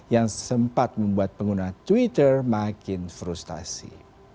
yang sempat membuat pengguna twitter makin frustasi